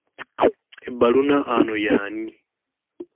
Ebbaluna ano y'ani?